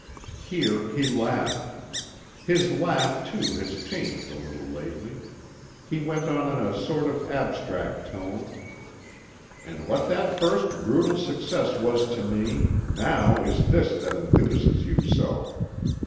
Here he laughed. His laugh, too, has changed a little lately. He went on in a sort of abstracted tone. "And what that first brutal success was to me, now is this that enthuses you so.